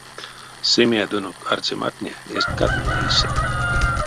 Семиядонок арсематне эзть кадно эйсэнь.